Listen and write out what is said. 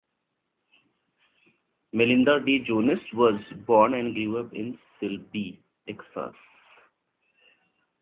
Melinda Dee Jones was born and grew up in Silsbee, Texas.